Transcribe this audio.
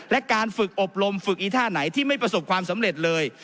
และการฝึกอบรมฝึกอีท่าไหนที่ไม่ประสบความสำเร็จเลย